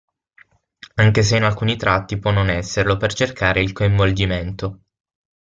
Anche se in alcuni tratti può non esserlo per cercare il coinvolgimento.